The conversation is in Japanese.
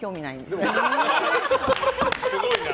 すごいな。